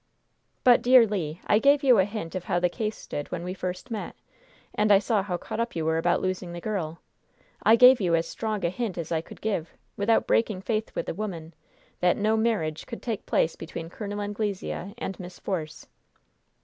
"But, dear Le, I gave you a hint of how the case stood when we first met, and I saw how cut up you were about losing the girl. I gave you as strong a hint as I could give without breaking faith with the woman, that no marriage could take place between Col. Anglesea and Miss Force."